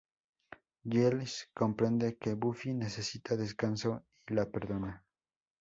Giles comprende que Buffy necesita descanso y la perdona.